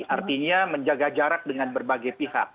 artinya menjaga jarak dengan berbagai pihak